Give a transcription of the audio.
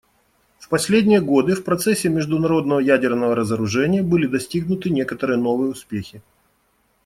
В последние годы в процессе международного ядерного разоружения были достигнуты некоторые новые успехи.